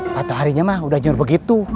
waktu harinya mah udah nyuruh begitu